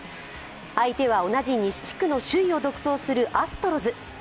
相手は同じ西地区の首位を独走するアストロズ。